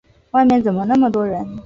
外面怎么那么多人？